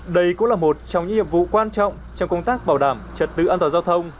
đây cũng là một trong những hiệp vụ quan trọng trong công tác bảo đảm trật tự an toàn giao thông